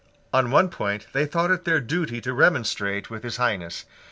On one point they thought it their duty to remonstrate with his Highness.